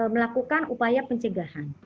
melakukan upaya pencegahan